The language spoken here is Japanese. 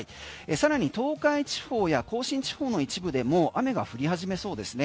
更に東海地方や甲信地方の一部でも雨が降り始めそうですね。